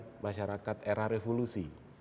gambaran masyarakat era revolusi